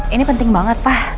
ini penting banget pak